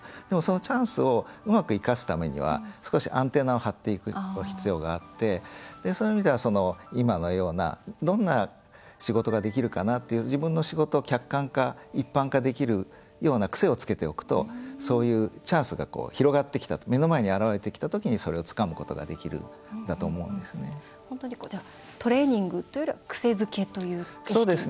チャンスをうまくいかすためには少しアンテナを張っていく必要があってそういう意味では今のようなどんな仕事ができるかなっていう自分の仕事を一般化、客観化できるような癖をつけておくとそういうチャンスが目の前に現れてきたときにそれをつかむことがトレーニングというよりは癖づけという意識。